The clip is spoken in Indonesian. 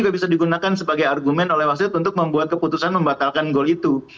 juga bisa digunakan sebagai argumen oleh wasit untuk membuat keputusan membatalkan gol itu